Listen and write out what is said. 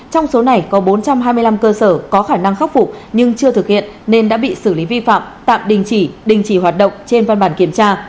trong số này có bốn trăm hai mươi năm cơ sở có khả năng khắc phục nhưng chưa thực hiện nên đã bị xử lý vi phạm tạm đình chỉ đình chỉ hoạt động trên văn bản kiểm tra